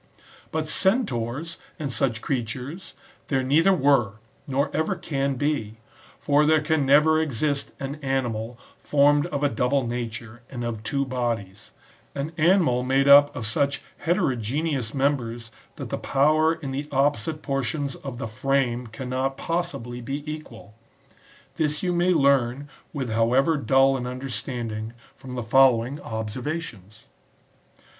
But Centaurs, and such creatures, there neither were, nor ever can be ; for there can never exist an animal formed of a double nature and of two bodies ; an animal made up of such heterogeneous members that the power in the opposite por tions of the frame cannot possibly be equal This you may learn, with however dull an understanding,^ from the follow ing observations.